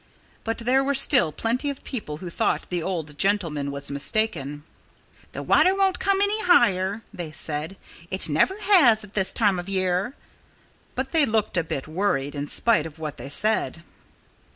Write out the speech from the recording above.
But there were still plenty of people who thought the old gentleman was mistaken. "The water won't come any higher," they said. "It never has, at this time of year." But they looked a bit worried, in spite of what they said.